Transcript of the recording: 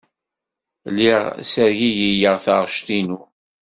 Lliɣ ssergigiyeɣ taɣect-inu.